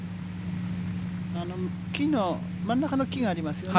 木の、真ん中の木がありますよね。